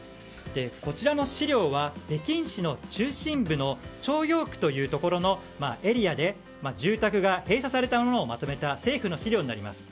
こちらの資料は北京市の中心部の朝陽区というところのエリアで住宅が閉鎖されたものをまとめた政府の資料になります。